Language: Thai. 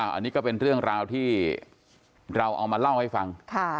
อันนี้ก็เป็นเรื่องราวที่เราเอามาเล่าให้ฟัง